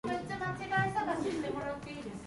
振り出しに戻った気分だ